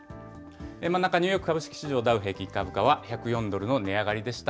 真ん中、ニューヨーク株式市場、ダウ平均株価は、１０４ドルの値上がりでした。